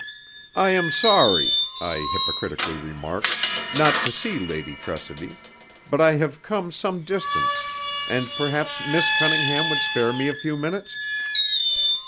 "I am sorry," I hypocritically remarked, "not to see Lady Tressidy; but I have come some distance, and perhaps Miss Cunningham would spare me a few minutes."